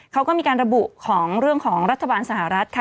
เขาก็มีการระบุของเรื่องของรัฐบาลสหรัฐค่ะ